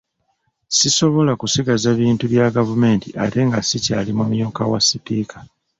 Sisobola kusigaza bintu bya gavumenti ate nga sikyali mumyuka wa Sipiika.